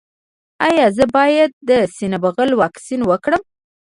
ایا زه باید د سینه بغل واکسین وکړم؟